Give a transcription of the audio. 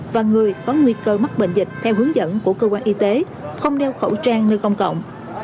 và người có nguy cơ mắc bệnh dịch theo hướng dẫn của cơ quan y tế không đeo khẩu trang nơi công cộng